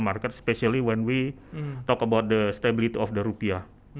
terutama saat kita bicara tentang stabilitas rupiah